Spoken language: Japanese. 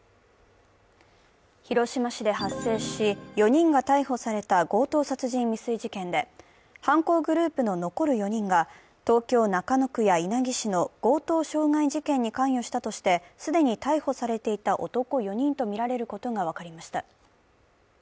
広島市で発生し４人が逮捕された強盗殺人未遂事件で犯行グループの残る４人が東京・中野区や稲城市の強盗傷害事件に関与したとして既に逮捕されていた男４人とみられることが分かりました。